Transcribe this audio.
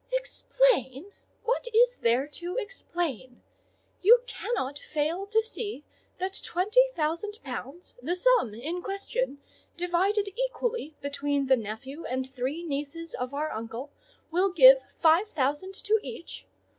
"Explain! What is there to explain? You cannot fail to see that twenty thousand pounds, the sum in question, divided equally between the nephew and three nieces of our uncle, will give five thousand to each?